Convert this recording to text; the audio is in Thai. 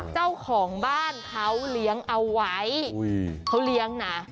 เจ้าของบ้านเขาเลี้ยงเอาไว้เขาเลี้ยงนะ